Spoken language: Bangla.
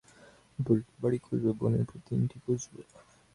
আমরা প্রতিটি বাড়ি খুঁজব, বনের প্রতি ইঞ্চি খুঁজব।